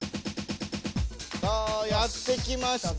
さあやって来ました。